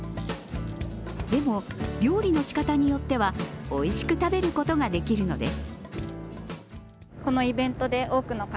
でも、料理のしかたによってはおいしく食べることができるのです。